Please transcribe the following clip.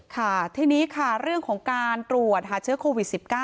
ค่ะทีนี้ค่ะเรื่องของการตรวจหาเชื้อโควิด๑๙